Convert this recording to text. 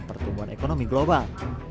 dan pertumbuhan ekonomi global